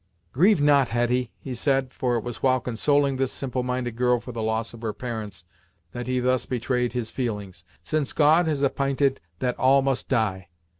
"Grieve not, Hetty," he said, for it was while consoling this simple minded girl for the loss of her parents that he thus betrayed his feelings, "since God has app'inted that all must die.